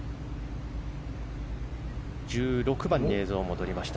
１６番に映像が戻りました。